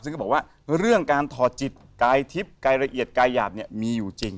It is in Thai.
ซึ่งก็บอกว่าเรื่องการถอดจิตกายทิพย์กายละเอียดกายหยาบเนี่ยมีอยู่จริง